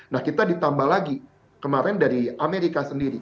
nah kita ditambah lagi kemarin dari amerika sendiri